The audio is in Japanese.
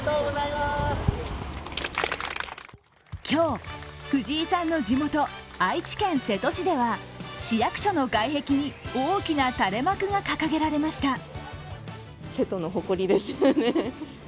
今日、藤井さんの地元・愛知県瀬戸市では市役所の外壁に大きな垂れ幕が掲げられました。